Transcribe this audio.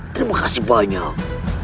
terima kasih banyak